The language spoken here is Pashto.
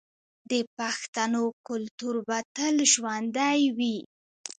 د پښتنو کلتور به تل ژوندی وي.